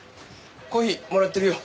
コーヒーもらってるよ。